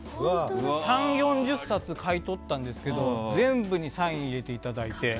３０４０冊買い取ったんですけど全部にサインを入れていただいて。